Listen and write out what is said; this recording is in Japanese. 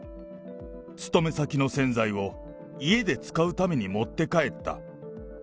勤め先の洗剤を家で使うために持って帰った。